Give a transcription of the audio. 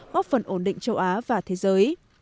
góp phần ổn định châu á và thế giới